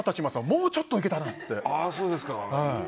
もうちょっといけたなって。